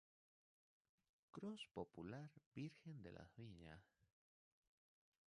Cross Popular "Virgen de las Viñas".